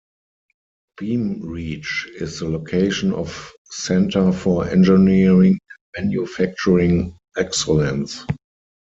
Beam Reach is the location of Centre for Engineering and Manufacturing Excellence.